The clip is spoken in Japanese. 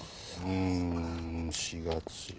うーん４月。